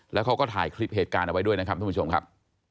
แล้วเขาก็ถ่ายคลิปเหตุการณ์เอาไว้ด้วยนะครับท่านผู้ชมครับ